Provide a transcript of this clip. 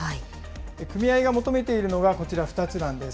組合が求めているのがこちら２つなんです。